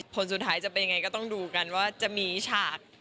ผลสุดท้ายจะเป็นยังไงก็ต้องดูกันว่าจะมีฉาก